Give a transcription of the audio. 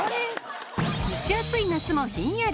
蒸し暑い夏もひんやり！